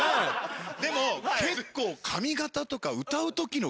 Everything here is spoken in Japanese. でも結構。